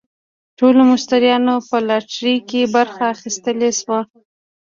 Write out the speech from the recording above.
ټولو مشتریانو په لاټرۍ کې برخه اخیستلی شوه.